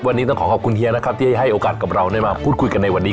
วันนี้ต้องขอขอบคุณเฮียนะครับที่ให้โอกาสกับเราได้มาพูดคุยกันในวันนี้